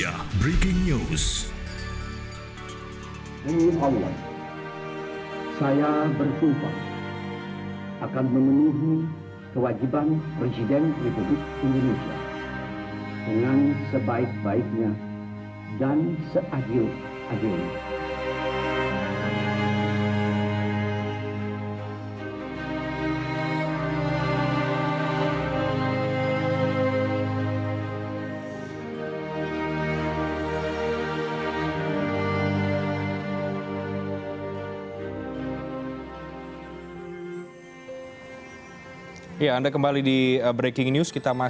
alhamdulillah saya bersumpah akan menilhumu kewajiban presiden republik indonesia